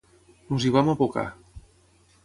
Ens hi vam abocar.